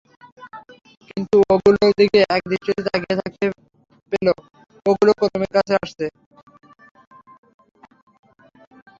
কিন্তু ওগুলোর দিকে একদৃষ্টিতে তাকিয়ে থাকতে দেখতে পেল ওগুলো ক্রমে কাছে আসছে।